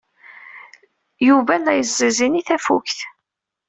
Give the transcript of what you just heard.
Yuba la yeẓẓiẓin i tafukt.